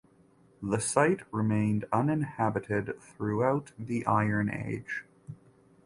The site remained uninhabited throughout the Iron Age.